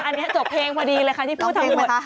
อันนี้จบเพลงพอดีเลยค่ะที่พูดทั้งหมด